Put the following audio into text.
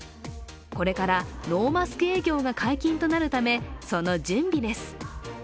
これからノーマスク営業が解禁となるため、その準備です。